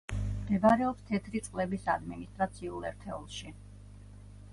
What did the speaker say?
მდებარეობს თეთრი წყლების ადმინისტრაციულ ერთეულში.